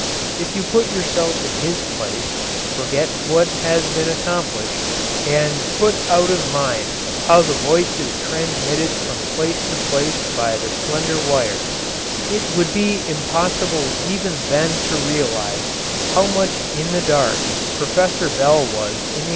If you put yourself in his place, forget what has been accomplished, and put out of mind how the voice is transmitted from place to place by the slender wire, it would be impossible even then to realise how much in the dark Professor Bell was in 1874.